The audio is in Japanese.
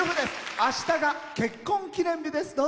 あしたが結婚記念日です。